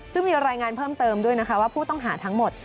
ซึ่งมีรายงานเพิ่มเติมด้วยนะคะว่าผู้ต้องหาทั้งหมด